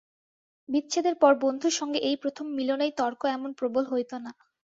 বিচ্ছেদের পর বন্ধুর সঙ্গে এই প্রথম মিলনেই তর্ক এমন প্রবল হইত না।